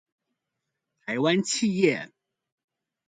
台灣企業